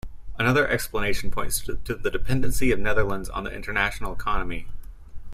Another explanation points to the dependency of the Netherlands on the international economy.